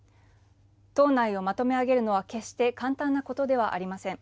党内をまとめあげるのは決して簡単なことではありません。